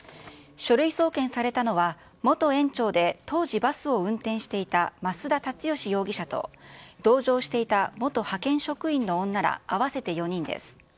書類送検されたのは、元園長で、当時バスを運転していた増田立義容疑者と、同乗していた元派遣職員の女ら合わせて４人です。